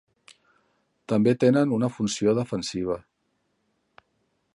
També tenen una funció defensiva.